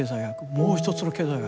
もう一つの経済学